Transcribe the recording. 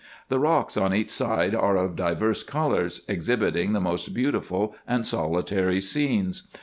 The rocks on each side are of divers colours, exhibiting the most beautiful and solitary scenes.